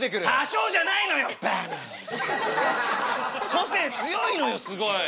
個性強いのよすごい。